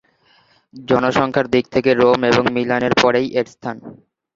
জনসংখ্যার দিক থেকে রোম এবং মিলানের পরেই এর স্থান।